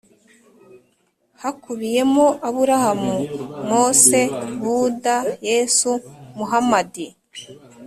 hakubiyemo aburahamu, mose, buda, yesu, muhamadi,